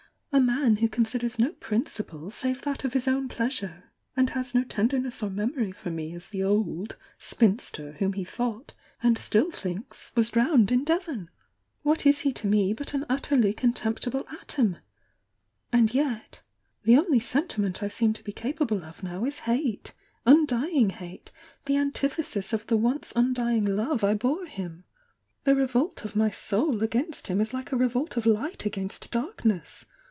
— a man who considers no prin ciple save that of his own pleasure, and has no ten derness or memory for me as the 'old' spinster whom he thought (and still thinks) was drowned in Devon! — what is he to me but an utterly contemptible atom! — and yet — the only sentiment I seem to be capable of now is hate! — undying hate, the antitiiesis of the once undying love I bore him ! The revolt of my soul against him is hke a revolt of light against darkness!